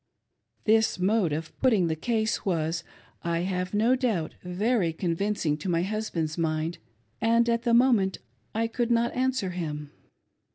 This mode of putting the case was, I have no doubt; very convincing to my husband's mind, and, at the moment, I could not answer him.